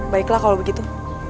baiklah kalau begitu